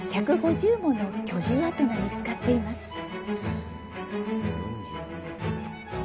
１５０もの住居跡が見つかっています。